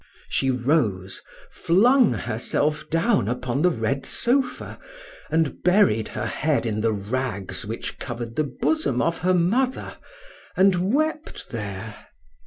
She rose, flung herself down upon the red sofa, and buried her head in the rags which covered the bosom of her mother, and wept there.